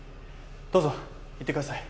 どうぞ行ってください。